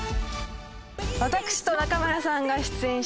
私と中村さんが出演します